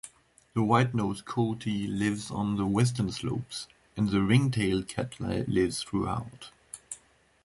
The white-nosed coati lives on the western slopes, and the ring-tailed cat lives throughout.